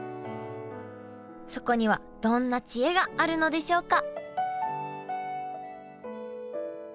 そこにはどんな知恵があるのでしょうか？